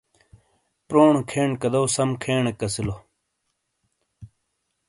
پرونو کھین کَداؤ سَم کھینیک اَسیلو۔